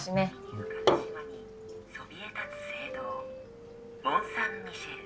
「優雅な島にそびえ立つ聖堂モン・サン・ミシェル」